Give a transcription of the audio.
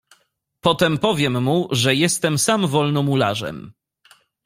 "Potem powiem mu, że jestem sam Wolnomularzem."